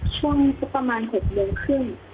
ช่วงสักประมาณ๖โมงครึ่ง